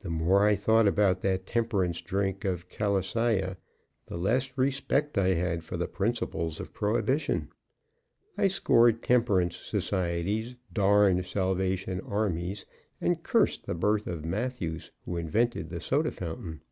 The more I thought about that temperance drink of calisaya, the less respect I had for the principles of prohibition. I scored temperance societies, darned Salvation Armies, and cursed the birth of Matthews, who invented the soda fountain.